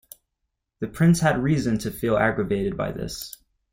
The Prince had reason to feel aggrieved by this.